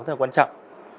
rất là quan trọng